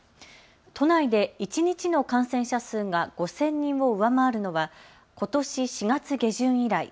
都内で一日の感染者数が５０００人を上回るのはことし４月下旬以来。